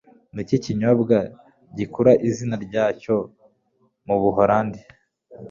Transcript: Niki kinyobwa gikura izina ryacyo mu Buholandi?